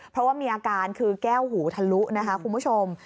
เพราะว่ามีอาการคือแก้วหูทะลุนะคะคุณผู้ชม